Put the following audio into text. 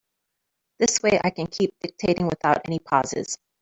This way I can keep dictating without any pauses.